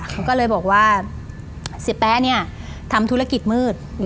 เขาก็เลยบอกว่าเสียแป๊ะเนี่ยทำธุรกิจมืด